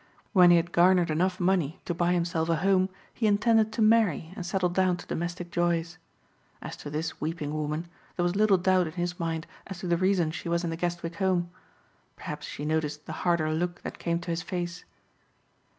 When he had garnered enough money to buy himself a home he intended to marry and settle down to domestic joys. As to this weeping woman, there was little doubt in his mind as to the reason she was in the Guestwick home. Perhaps she noticed the harder look that came to his face.